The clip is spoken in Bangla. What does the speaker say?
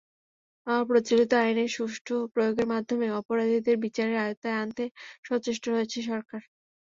প্রচলিত আইনের সুষ্ঠু প্রয়োগের মাধ্যমে অপরাধীদের বিচারের আওতায় আনতে সচেষ্ট রয়েছে সরকার।